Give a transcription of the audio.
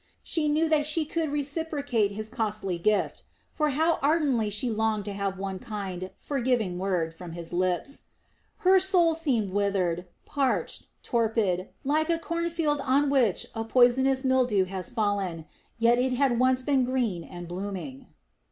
She knew that she could reciprocate his costly gift; for how ardently she longed to have one kind, forgiving word from his lips. Her soul seemed withered, parched, torpid, like a corn field on which a poisonous mildew has fallen; yet it had once been green and blooming.